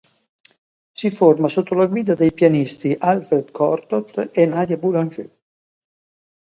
Si forma sotto la guida dei pianisti Alfred Cortot e Nadia Boulanger.